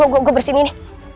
gua bersini nih